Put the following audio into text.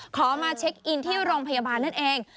ขอมาเช็คอินที่โรงพยาบาลนั่นเอง